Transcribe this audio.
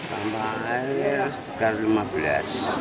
tambah air sekitar lima belas